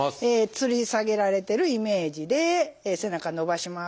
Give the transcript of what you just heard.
つり下げられてるイメージで背中伸ばします。